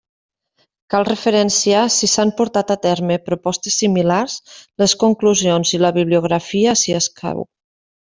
Cal referenciar si s'han portat a terme propostes similars, les conclusions i la bibliografia, si escau.